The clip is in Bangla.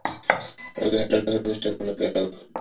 আমাকে হেডম দেখানোর চেষ্টা করোনা, ক্যালেব।